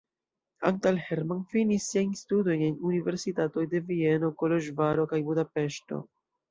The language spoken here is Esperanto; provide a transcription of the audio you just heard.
Antal Herrmann finis siajn studojn en universitatoj de Vieno, Koloĵvaro kaj Budapeŝto.